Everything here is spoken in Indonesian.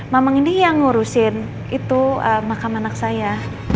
mamang ini yang ngurusin itu makam anak saya